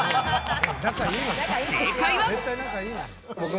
正解は。